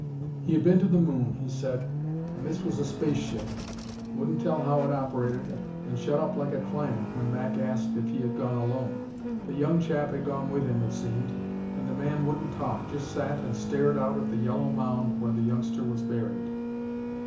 He had been to the moon, he said. And this was a space ship. Wouldn't tell how it operated, and shut up like a clam when Mac asked if he had gone alone. The young chap had gone with him, it seemed, and the man wouldn't talk just sat and stared out at the yellow mound where the youngster was buried.